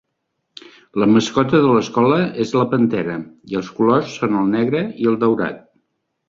La mascota de l'escola és la pantera i els colors són el negre i el daurat.